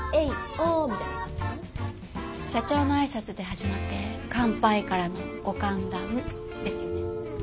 社長の挨拶で始まって乾杯からのご歓談ですよね。